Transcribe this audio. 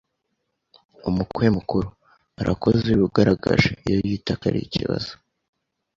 Umukwe mukuru: Arakoze uriya ugaragaje iyo yita ko ari ikiazo